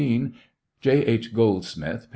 J. H. Goldsmith, (p.